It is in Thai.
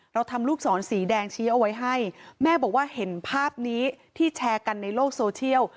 เราทำลูกศรสีแดงชี้เอาไว้ให้แม่บอกว่าเห็นภาพนี้ที่แชร์กันในโลกโซเชียล